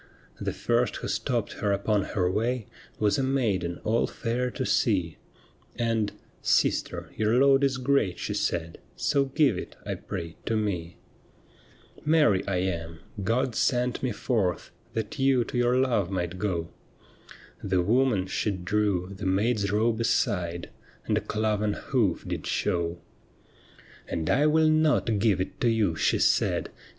The first who stopped her upon her way Was a maiden all fair to see, And, ' Sister, your load is great,' she said, ' So give it, I pray, to me.' ' Mary I am ; God sent me forth That you to your love might go.' The woman she drew the maid's robe aside And a cloven hoof did show. I20 THE WOMAN WHO WENT TO HELL ' And I will not give it to you,' she said, Q.